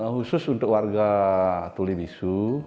khusus untuk warga tuli bisu